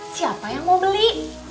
siapa yang mau beli